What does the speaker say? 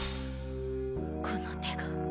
この手が。